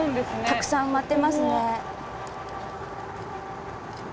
たくさん埋まってますね。